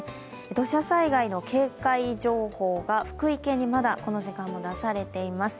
土砂災害の警戒情報が福井県にまだこの時間も出されています。